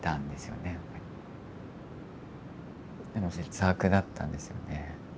でも劣悪だったんですよね。